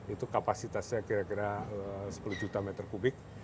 itu kapasitasnya kira kira sepuluh juta meter kubik